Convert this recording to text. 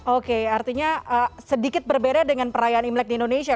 oke artinya sedikit berbeda dengan perayaan imlek di indonesia